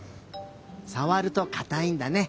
さわるとかたいんだね。